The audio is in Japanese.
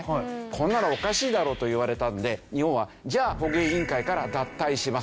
「こんなのおかしいだろ」と言われたので日本は「じゃあ捕鯨委員会から脱退します」